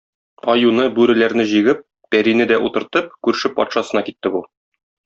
Аюны, бүреләрне җигеп, пәрине дә утыртып, күрше патшасына китте бу.